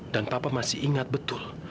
dan papa masih ingat betul